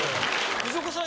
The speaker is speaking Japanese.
藤岡さん